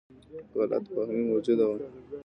غلط فهمي موجوده وه.